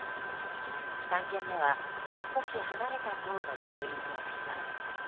３軒目は少し離れた棟の駐輪場でした。